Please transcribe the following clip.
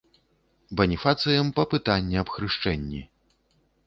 Баніфацыем па пытанні аб хрышчэнні.